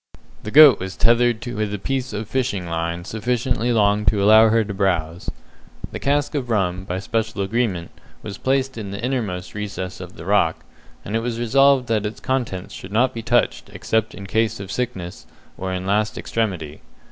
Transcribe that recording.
The goat was tethered with a piece of fishing line sufficiently long to allow her to browse. The cask of rum, by special agreement, was placed in the innermost recess of the rock, and it was resolved that its contents should not be touched except in case of sickness, or in last extremity.